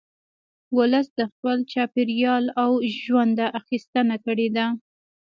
ولس د خپل چاپېریال او ژونده اخیستنه کړې ده